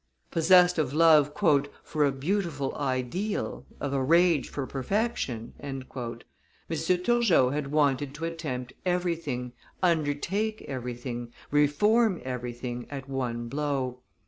Possessed of love "for a beautiful ideal, of a rage for perfection," M. Turgot had wanted to attempt everything, undertake everything, reform everything at one blow.